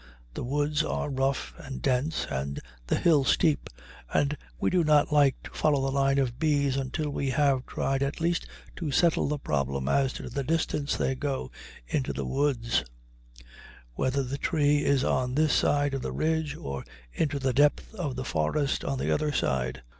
The woods are rough and dense and the hill steep, and we do not like to follow the line of bees until we have tried at least to settle the problem as to the distance they go into the woods, whether the tree is on this side of the ridge or into the depth of the forest on the other side.